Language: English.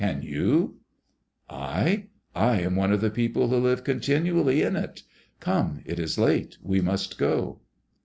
" Can you ?"'' I ? I am one of the people who live continually in it. Come, it is late, we must go."